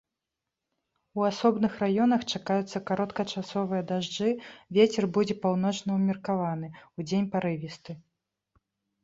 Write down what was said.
У асобных раёнах чакаюцца кароткачасовыя дажджы, вецер будзе паўночны ўмеркаваны, удзень парывісты.